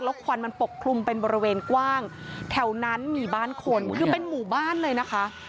ควันมันปกคลุมเป็นบริเวณกว้างแถวนั้นมีบ้านคนคือเป็นหมู่บ้านเลยนะคะ